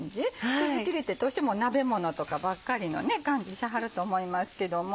くずきりってどうしても鍋ものとかばっかりの感じしはると思いますけども。